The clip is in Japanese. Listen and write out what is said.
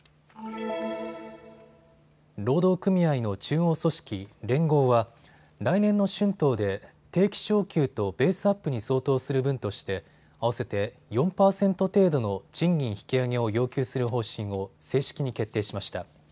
労働組合の中央組織、連合は来年の春闘で定期昇給とベースアップに相当する分として合わせて４％程度の賃金引き上げを要求する方針を正式に決定しました。